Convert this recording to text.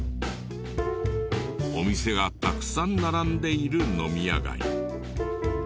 お店がたくさん並んでいる飲み屋街。